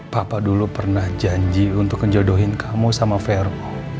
papa dulu pernah janji untuk menjodohin kamu sama vero